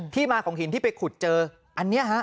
มาของหินที่ไปขุดเจออันนี้ฮะ